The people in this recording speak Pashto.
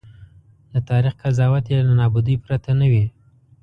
د تاریخ قضاوت یې له نابودۍ پرته نه وي.